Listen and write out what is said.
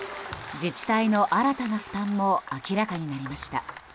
自治体の新たな負担も明らかになりました。